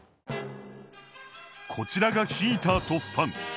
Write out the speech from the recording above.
こちらがヒーターとファン。